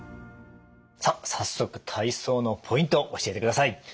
さあ早速体操のポイント教えてください！